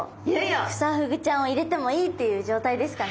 クサフグちゃんを入れてもいいっていう状態ですかね。